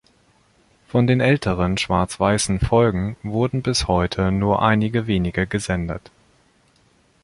Von den älteren schwarzweißen Folgen wurden bis heute nur einige wenige gesendet.